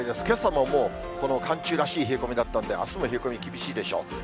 けさももう、この寒中らしい冷え込みだったんで、あすも冷え込み厳しいでしょう。